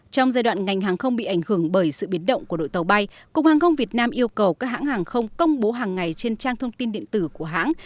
trong giai đoạn ngành hàng không bị ảnh hưởng bởi sự biến động của đội tàu bay cục hàng không việt nam yêu cầu các hãng hàng không công bố hàng ngày trên trang thông tin điện tử của hãng